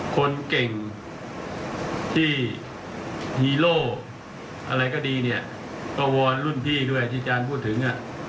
คนเก่งที่ฮีโร่อะไรก็ดีเนี่ยก็วอนรุ่นพี่ด้วยที่อาจารย์พูดถึง